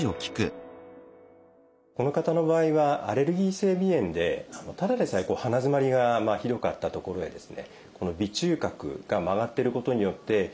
この方の場合はアレルギー性鼻炎でただでさえ鼻づまりがひどかったところへですね